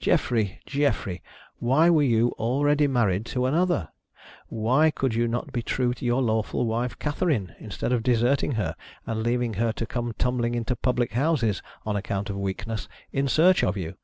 Geoffrey, Geoffrey, why were you already married to an other ! Why could you not be true to your lawful wife Katherine, instead of deserting her, and leaving her to come tumbliag into public houses (on account of weakness) in search of you